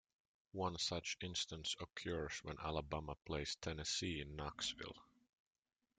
One such instance occurs when Alabama plays Tennessee in Knoxville.